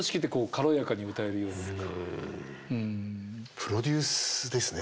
プロデュースですね。